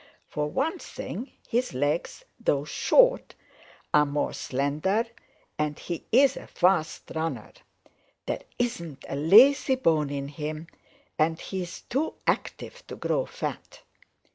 For one thing his legs, though short, are more slender and he is a fast runner. There isn't a lazy bone in him, and he is too active to grow fat.